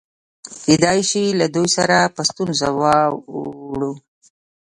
کېدای شي له دوی سره په ستونزه واوړو.